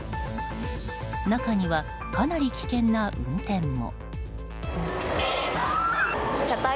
中にはかなり危険な運転も。